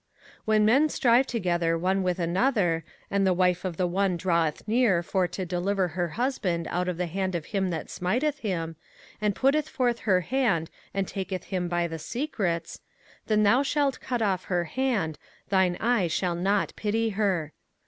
05:025:011 When men strive together one with another, and the wife of the one draweth near for to deliver her husband out of the hand of him that smiteth him, and putteth forth her hand, and taketh him by the secrets: 05:025:012 Then thou shalt cut off her hand, thine eye shall not pity her.